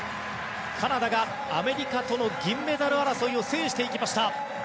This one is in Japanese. カナダがアメリカとの銀メダル争いを制していきました。